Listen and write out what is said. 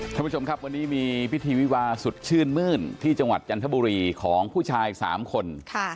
ท่านผู้ชมครับวันนี้มีพิธีวิวาสุดชื่นมื้นที่จังหวัดจันทบุรีของผู้ชาย๓คน